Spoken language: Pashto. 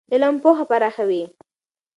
علم پوهه پراخوي.